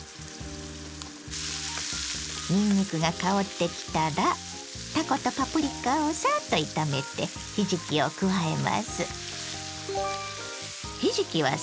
にんにくが香ってきたらたことパプリカをさっと炒めてひじきを加えます。